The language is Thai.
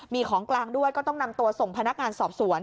มีของกลางด้วยก็ต้องนำตัวส่งพนักงานสอบสวน